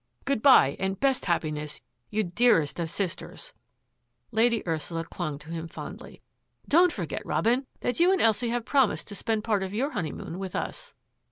" Good bye, and best happiness, you dearest of sisters !" Lady Ursula clung to him fondly. " Don't for get, Robin, that you and Elsie have promised to spend part of your honeymoon with us."